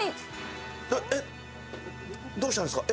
どうしたんですか？